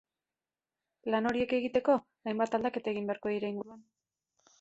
Lan horiek egiteko, hainbat aldaketa egin beharko dira inguruan.